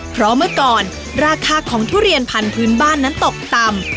เพราะเมื่อก่อนราคาของทุเรียนพันธุ์พื้นบ้านนั้นตกต่ำ